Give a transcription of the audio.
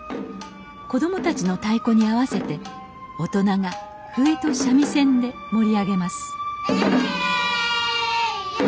子供たちの太鼓に合わせて大人が笛と三味線で盛り上げますえいや！